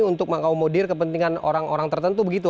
untuk mengakomodir kepentingan orang orang tertentu begitu